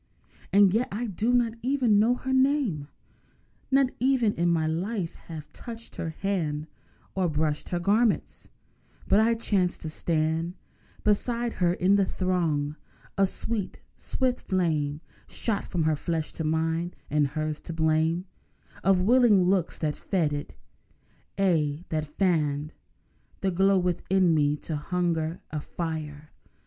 And yet I do not even know her name, Nor ever in my life have touched her hand Or brushed her garments. But I chanced to stand Beside her in the throng! A sweet, swift flame Shot from her flesh to mine—and hers the blame Of willing looks that fed it; aye, that fanned The glow within me to a hungry fire.